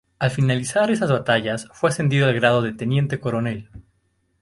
Al finalizar esas batallas fue ascendido al grado de Teniente Coronel.